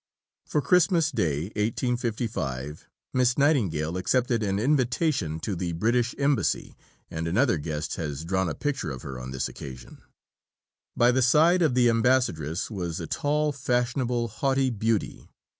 For Christmas Day (1855) Miss Nightingale accepted an invitation to the British Embassy, and another guest has drawn a picture of her on this occasion: By the side of the Ambassadress was a tall, fashionable, haughty beauty.